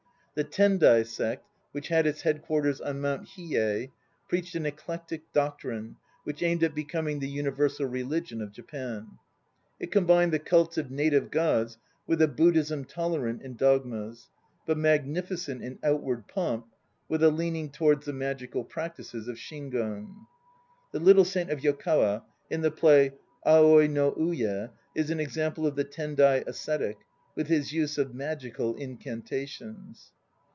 The Tendai Sect which had its headquarters on Mount Hiyei preached an eclectic doctrine which aimed at becoming the universal religion of Japan. It combined the cults of native gods with a Bud dhism tolerant in dogma, but magnificent in outward pomp, with a leaning towards the magical practices of Shingon. The Little Saint of Yokawa in the play Aoi no Uye is an example of the Tendai ascetic, with his use of magical incantations.